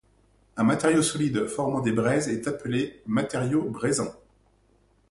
Un matériau solide formant des braises est appelé matériau braisant.